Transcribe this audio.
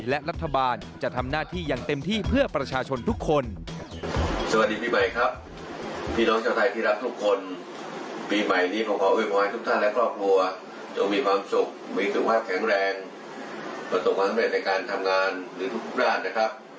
และรัฐบาลก็จะทำหน้าที่อย่างเต็มที่นะครับ